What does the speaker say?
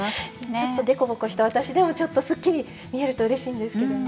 ちょっと凸凹した私でもすっきり見えるとうれしいんですけどね。